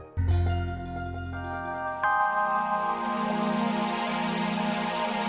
mbak surti kamu sudah berhasil